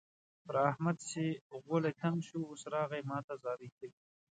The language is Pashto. پر احمد چې غولی تنګ شو؛ اوس راغی ما ته زارۍ کوي.